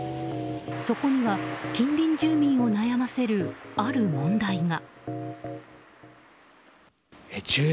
そこには近隣住民を悩ませるある問題が。